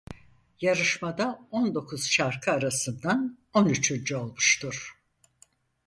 Yarışmada on dokuz şarkı arasından on üçüncü olmuştur.